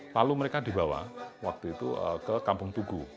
lalu mereka dibawa waktu itu ke kampung tugu